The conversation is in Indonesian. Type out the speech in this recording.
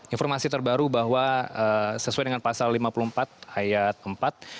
informasi terbaru bahwa sesuai dengan pasal lima puluh empat ayat empat